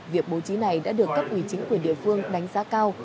việc bố trí này đã được cấp ủy chính quyền địa phương đánh giá cao